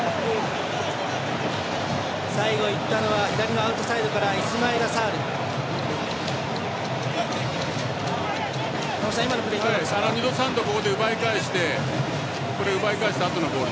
最後いったのは左のアウトサイドからイスマイラ・サール。